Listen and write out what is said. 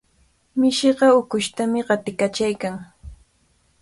Mishiqa ukushtami qatiykachaykan.